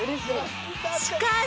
しかし！